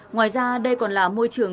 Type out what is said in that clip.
ngoài ra đây còn là môi trường